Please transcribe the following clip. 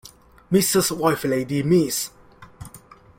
Mrs. wife lady Miss